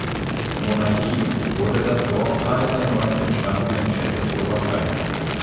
Monarchie, wurde das Dorf Teil der neu entstandenen Tschechoslowakei.